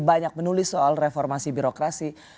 banyak menulis soal reformasi birokrasi